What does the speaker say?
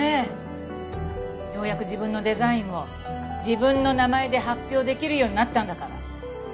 ようやく自分のデザインを自分の名前で発表できるようになったんだから。